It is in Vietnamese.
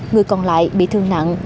người còn lại bị thương nặng